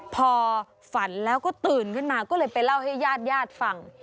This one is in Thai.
พอฝันแล้วก็ตื่นขึ้นมาก็เลยไปเล่าให้ญาติญาติฟัง